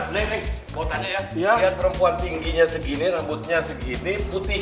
neng neng bawa tanya ya lihat perempuan tingginya segini rambutnya segini putih